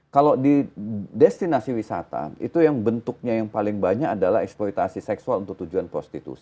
kalau di destinasi wisata itu yang bentuknya yang paling banyak adalah eksploitasi seksual untuk tujuan prostitusi